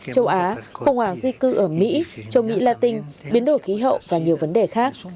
châu á khủng hoảng di cư ở mỹ châu mỹ latin biến đổi khí hậu và nhiều vấn đề khác